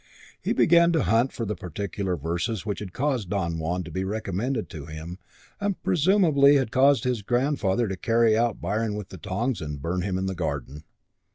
He began to hunt for the particular verses which had caused Don Juan to be recommended to him and presumably had caused his grandfather to carry out Byron with the tongs and burn him in the garden.